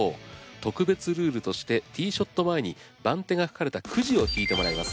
特別ルールとしてティーショット前に番手が書かれたくじを引いてもらいます。